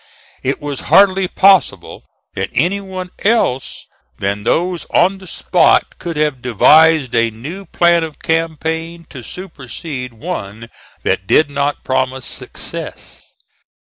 It was hardly possible that any one else than those on the spot could have devised a new plan of campaign to supersede one that did not promise success.